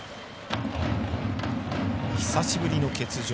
久しぶりの欠場。